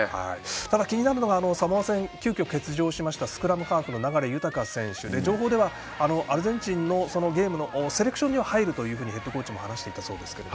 ただ気になるのがサモア戦、急きょ欠場しました流大選手で情報ではアルゼンチンのゲームのセレクションには入るというふうにヘッドコーチも話していたそうですが。